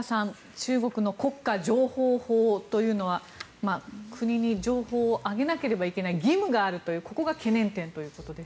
中国の国家情報法というのは国に情報を上げなければいけない義務があるというここが懸念点ということです。